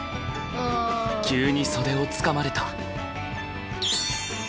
急に袖をつかまれた。